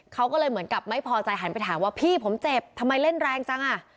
เขาก็เลยเหมือนกับไม่พอใจหันไปถามว่าพี่ผมเจ็บทำไมเล่นแรงจังอ่ะ